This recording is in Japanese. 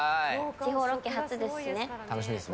地方ロケ初ですね。